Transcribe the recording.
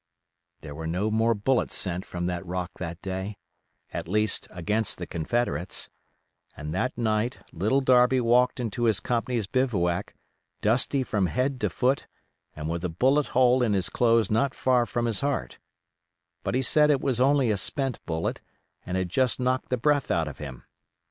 There were no more bullets sent from that rock that day—at least, against the Confederates—and that night Little Darby walked into his company's bivouac, dusty from head to foot and with a bullet hole in his clothes not far from his heart; but he said it was only a spent bullet and had just knocked the breath out of him.